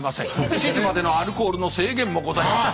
７時までのアルコールの制限もございません。